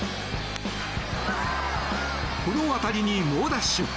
この当たりに猛ダッシュ。